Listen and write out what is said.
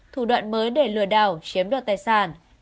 thủ đoạn mới để lừa đảo chiếm đoạt tài sản